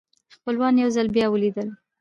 خپلوان یو ځل بیا ولیدل.